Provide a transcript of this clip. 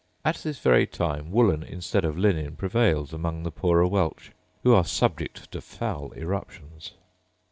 At this very time woollen instead of linen prevails among the poorer Welch, who are subject to foul eruptions.